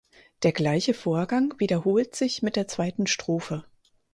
Der gleiche Vorgang wiederholt sich mit der zweiten Strophe.